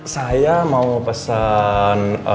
saya mau pesen